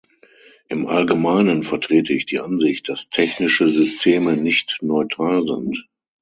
Im allgemeinen vertrete ich die Ansicht, dass technische Systeme nicht neutral sind.